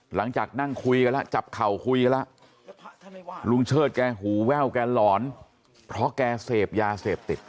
หลังจากนั่งคุยกันแล้วจับเข่าคุยกันแล้วลุงเชิดแกหูแว่วแกหลอนเพราะแกเสพยาเสพติด